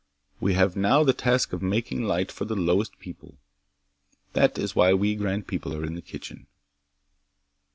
We have now the task of making light for the lowest people. That is why we grand people are in the kitchen."